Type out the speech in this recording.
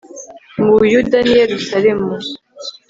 mu buyuda n i yerusalemu